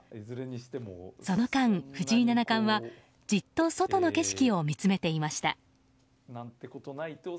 その間、藤井七冠はじっと外の景色を見つめていました。